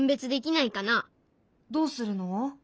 どうするの？